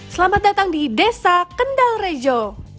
selamat datang di desa kendal rejo